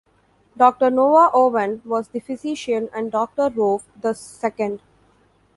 Doctor Noah Owen was the physician and Doctor Rowe the second.